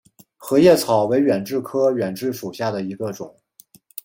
合叶草为远志科远志属下的一个种。